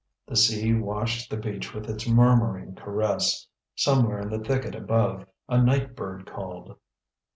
The sea washed the beach with its murmuring caress; somewhere in the thicket above a night bird called.